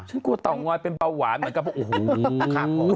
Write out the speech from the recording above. ฉันกลัวเต๋อง้อยเป็นเบาหวานเหมือนกับโอ้โหครับผม